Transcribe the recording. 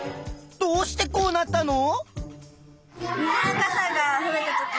どうしてこうなったの？